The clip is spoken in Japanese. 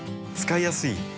使いやすい。